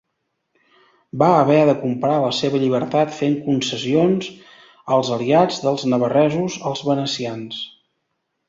Va haver de comprar la seva llibertat fent concessions als aliats dels navarresos, els venecians.